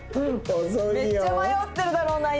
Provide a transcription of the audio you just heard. めっちゃ迷ってるだろうな今。